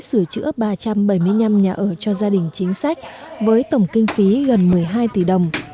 sửa chữa ba trăm bảy mươi năm nhà ở cho gia đình chính sách với tổng kinh phí gần một mươi hai tỷ đồng